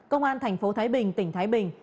công an thành phố thái bình tỉnh thái bình